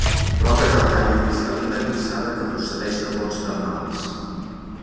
Roca calcària cristal·lina vinçada que procedeix de fonts termals.